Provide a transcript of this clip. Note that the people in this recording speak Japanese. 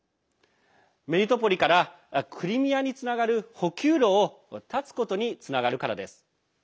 メリトポリからクリミアにつながる補給路を断つことにつながるからです。